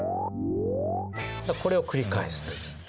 これを繰り返すという。